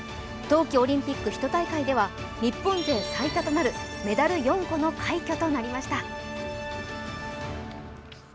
冬季オリンピック１大会では日本勢最多となるメダル４個の快挙となりました。